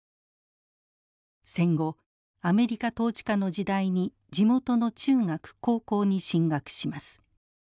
戦後アメリカ統治下の時代に地元の中学高校に進学します。